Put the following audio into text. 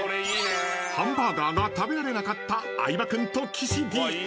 ［ハンバーガーが食べられなかった相葉君と岸Ｄ］